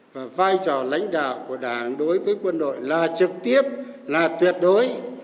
và vai trò lãnh đạo của đảng đối với quân đội là trực tiếp là tuyệt đối